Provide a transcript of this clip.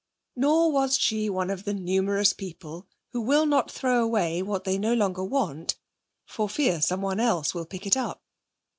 Nor was she one of the numerous people who will not throw away what they no longer want for fear someone else will pick it up.